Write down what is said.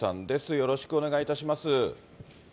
よろしくお願いします。